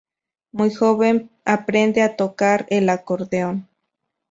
Muy joven aprende a tocar el acordeón.